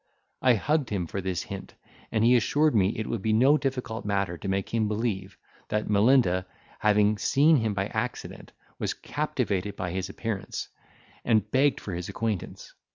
I hugged him for this hint; and he assured me it would be no difficult matter to make him believe, that Melinda, having seen him by accident, was captivated by his appearance, and begged for his acquaintance.